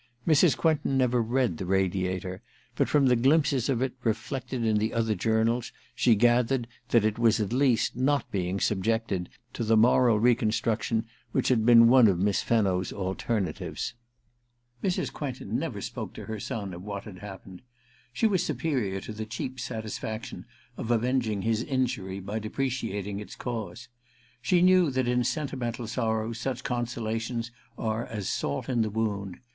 Mrs. Quentin never read the Radiator^ but from the glimpses of it reflected in the other journals she gathered that it was at least not being subjected to the moral reconstruction which had been one of Miss Fenno's alternatives. Mrs. Quentin never spoke to her son of what had happened. She was superior to the cheap satisfaction of avenging his injury by depreciating its cause. She knew that in sentimental sorrows such consolations are as salt in the wound.